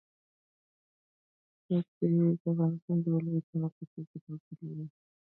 ښتې د افغانستان د ولایاتو په کچه توپیر لري.